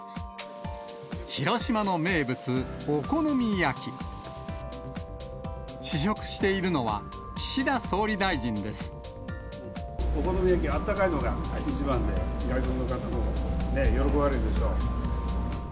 広島の名物、お好み焼き。試食しているのは、お好み焼き、あったかいのが一番で、外国の方もね、喜ばれるでしょう。